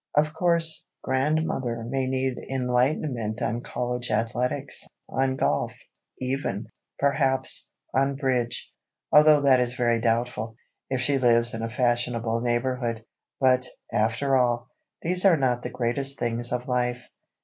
Of course, grandmother may need enlightenment on college athletics, on golf, even, perhaps, on bridge,—although that is very doubtful, if she lives in a fashionable neighborhood. But, after all, these are not the greatest things of life.